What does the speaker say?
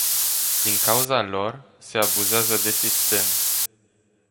Din cauza lor se abuzează de sistem.